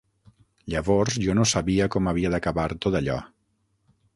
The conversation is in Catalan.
Llavors jo no sabia com havia d'acabar tot allò